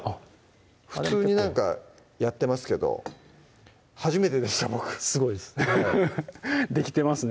普通になんかやってますけど初めてでした僕すごいですできてますね